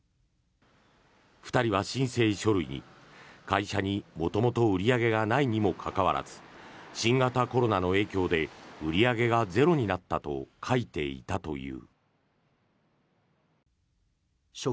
２人は申請書類に、会社に元々売り上げがないにもかかわらず新型コロナの影響で売り上げがゼロになったと書いていたという。